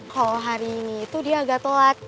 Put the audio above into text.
kalo hari ini tuh dia agak telat